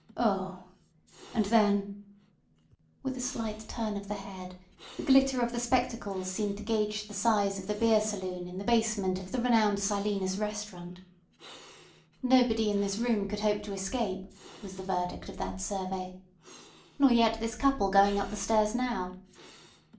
"Ough! And then—" With a slight turn of the head the glitter of the spectacles seemed to gauge the size of the beer saloon in the basement of the renowned Silenus Restaurant. "Nobody in this room could hope to escape," was the verdict of that survey. "Nor yet this couple going up the stairs now."